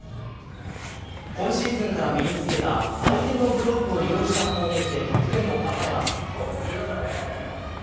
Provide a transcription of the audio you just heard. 今シーズンから身に付けた相手のブロックを利用した攻撃で得点を重ねます。